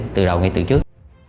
từ đầu ngay từ trước